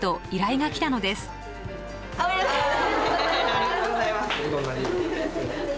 ありがとうございます。